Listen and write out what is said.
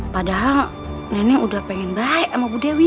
padahal nenek udah pengen baik sama bu dewi